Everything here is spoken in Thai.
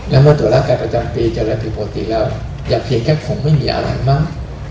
และถ้าตรวจร่างกายประจำปีเจอและผิดโปรตีแล้วอย่าเพียงแค่คงไม่มีอะไรมาก